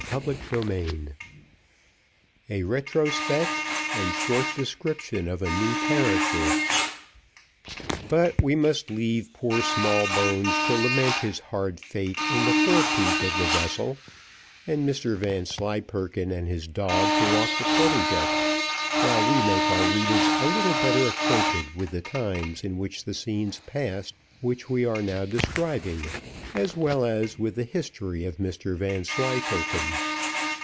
Chapter III A retrospect, and short description of a new character But we must leave poor Smallbones to lament his hard fate in the fore peak of the vessel, and Mr Vanslyperken and his dog to walk the quarter deck, while we make our readers a little better acquainted with the times in which the scenes passed which we are now describing, as well as with the history of Mr Vanslyperken.